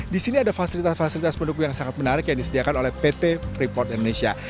di sini ada fasilitas fasilitas pendukung yang sangat menarik yang disediakan oleh pt freeport indonesia